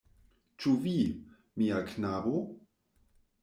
Ĉu vi, mia knabo?